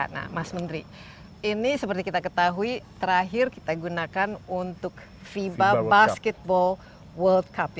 nah mas menteri ini seperti kita ketahui terakhir kita gunakan untuk fiba basketball world cup